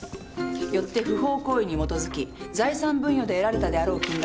よって不法行為に基づき財産分与で得られたであろう金額